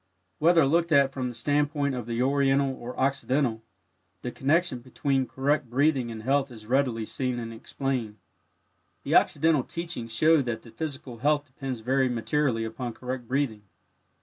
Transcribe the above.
Whether looked at from the standpoint of the Oriental or Occidental, the connection between correct breathing and health is readily seen and explained. The Occidental teachings show that the physical health depends very materially upon correct breathing.